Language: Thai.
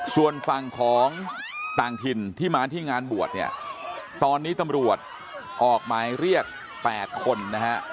ส่วนฝั่งของต่างถิ่นที่มาที่งานบวชเนี่ยตอนนี้ตำรวจออกหมายเรียก๘คนนะฮะ